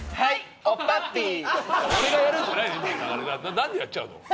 何でやっちゃうの？